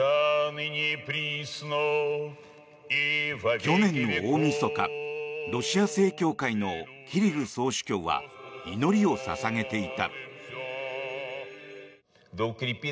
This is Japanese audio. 去年の大みそかロシア正教会のキリル総主教は祈りを捧げていた。